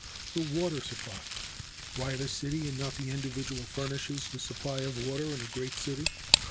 7. The water supply. a. Why the city and not the individual furnishes the supply of water in a great city.